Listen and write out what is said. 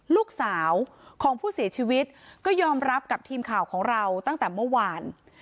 ลูกสาวของผู้เสียชีวิตก็ยอมรับกับทีมข่าวของเราตั้งแต่เมื่อวาน